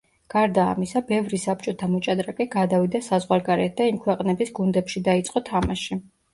გარდა ამისა ბევრი საბჭოთა მოჭადრაკე გადავიდა საზღვარგარეთ და იმ ქვეყნების გუნდებში დაიწყო თამაში.